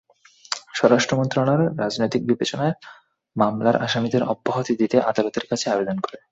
স্বরাষ্ট্র মন্ত্রণালয় রাজনৈতিক বিবেচনায় মামলার আসামিদের অব্যাহতি দিতে আদালতের কাছে আবেদন করে।